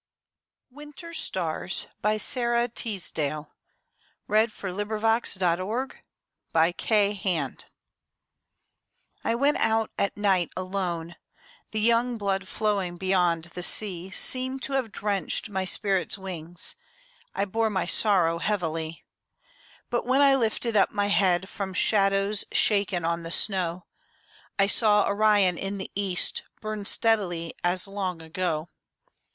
the sky a sentry paces the sea cliff Slim in his khaki. Winter Stars I went out at night alone; The young blood flowing beyond the sea Seemed to have drenched my spirit's wings I bore my sorrow heavily. But when I lifted up my head From shadows shaken on the snow, I saw Orion in the east Burn steadily as long ago.